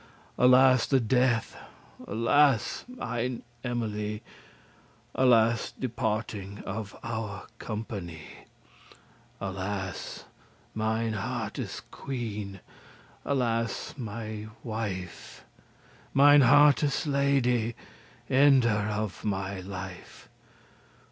Alas the death, alas, mine Emily! Alas departing* of our company! *the severance Alas, mine hearte's queen! alas, my wife! Mine hearte's lady, ender of my life!